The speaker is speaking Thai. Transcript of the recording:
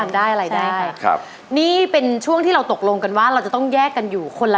ได้อะไรได้ครับนี่เป็นช่วงที่เราตกลงกันว่าเราจะต้องแยกกันอยู่คนละ